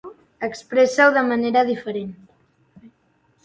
Expressa-ho de manera diferent.